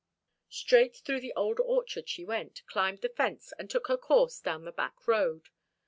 Straight through the old orchard she went, climbed the fence, and took her course down the back road.